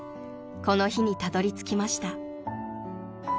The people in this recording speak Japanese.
［この日にたどりつきました］